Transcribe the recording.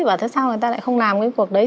bảo thế sao người ta lại không làm cái cuộc đấy